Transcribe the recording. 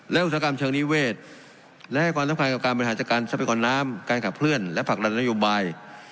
และอุตสาหกรรมเชิงนิเวศและให้ความสำคัญกับการบริหารจัดการทรัพยากรน้ำการขับเคลื่อนและผลักดันนโยบาย